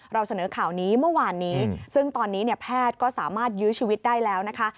เราเสนอข่าวนี้เมื่อวานนี้ซึ่งตอนนี้เนี่ยแพทย์ก็สามารถยื้อชีวิตได้แล้วนะคะ